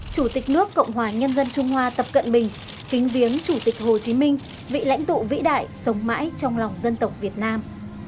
chủ tịch nước cộng hòa nhân dân trung hoa tập cận bình kính viếng chủ tịch hồ chí minh vị lãnh tụ vĩ đại sống mãi trong lòng dân tộc việt nam